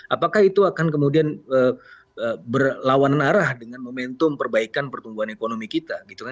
apakah itu akan kemudian berlawanan arah dengan momentum perbaikan pertumbuhan ekonomi kita